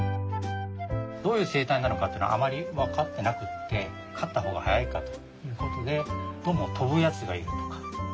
どういう生態なのかってのはあまり分かってなくって飼った方が早いかということでどうも飛ぶやつがいるとか。